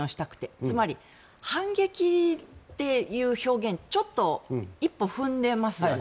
つまり反撃っていう表現ちょっと一歩踏んでますよね。